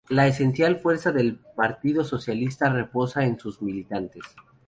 La esencial fuerza del Partido Socialista reposa en sus militantes.